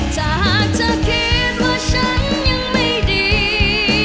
จากเธอคิดว่าฉันยังไม่ดี